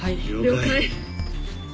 了解。